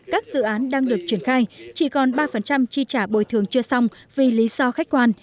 các dự án đang được triển khai chỉ còn ba chi trả bồi thường chưa xong vì lý do khách quan